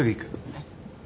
はい。